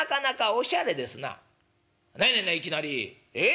「何やねんないきなり。ええ？